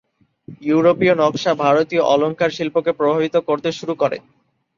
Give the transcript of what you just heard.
ইঊরোপীয় নকশা ভারতীয় অলঙ্কার শিল্পকে প্রভাবিত করতে শুরু করে।